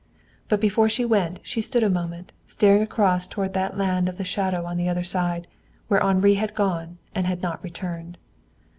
But before she went she stood a moment staring across toward that land of the shadow on the other side, where Henri had gone and had not returned.